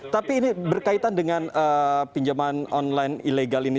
tapi ini berkaitan dengan pinjaman online ilegal ini